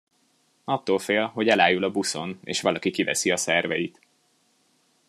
Attól fél, hogy elájul a buszon, és valaki kiveszi a szerveit.